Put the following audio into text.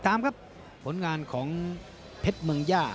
ตามครับผลงานของเพชรเมืองย่า